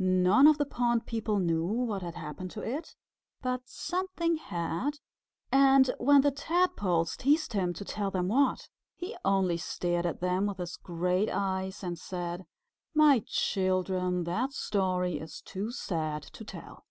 None of the pond people knew what had happened to it, but something had, and when the Tadpoles teased him to tell them what, he only stared at them with his great eyes and said, "My children, that story is too sad to tell."